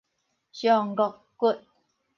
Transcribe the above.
上顎骨